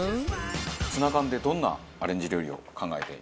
ツナ缶でどんなアレンジ料理を考えて。